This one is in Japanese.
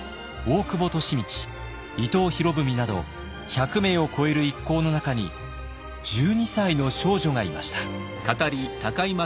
利通伊藤博文など１００名を超える一行の中に１２歳の少女がいました。